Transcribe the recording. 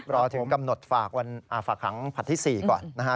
รอถึงกำหนดฝากขังผลัดที่๔ก่อนนะฮะ